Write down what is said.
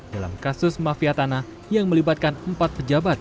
dalam kasus mafia tanah yang melibatkan empat pejabat